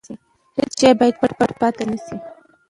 هیڅ شی باید پټ پاتې نه شي.